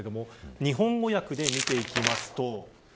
日本語訳で見ていきます。